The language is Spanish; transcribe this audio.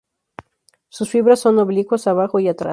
Sus fibras son oblicuas abajo y atrás.